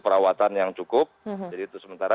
perawatan yang cukup jadi itu sementara